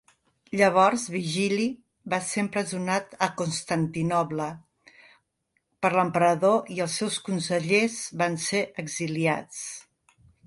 Llavors Vigili va ser empresonat a Constantinoble per l'emperador i els seus consellers van ser exiliats.